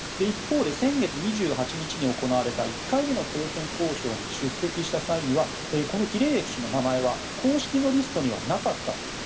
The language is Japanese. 一方で先月２８日に行われた１回目の停戦交渉に出席した際はこのキレーエフ氏の名前は公式のリストにはなかったと。